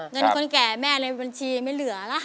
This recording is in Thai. เงินคนแก่แม่ในบัญชีไม่เหลือล่ะ